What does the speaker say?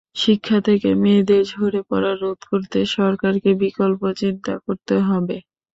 শিক্ষা থেকে মেয়েদের ঝরে পড়া রোধ করতে সরকারকে বিকল্প চিন্তা করতে হবে।